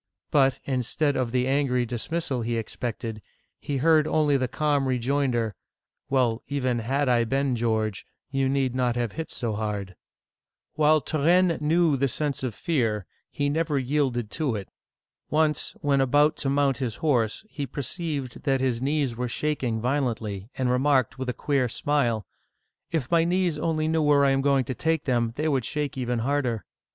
" But, instead of the angry dis mi^al he expected, he heard only the calm rejoinder, " Well, even had I been George, you need not have hit so hard !" While Turenne knew the sense of fear, he never yielded to it. Once, when about to mount his horse, he perceived that his knees were shaking violently, and remarked with a queer smile, If my knees only knew where I am going to take them, they would shake even harder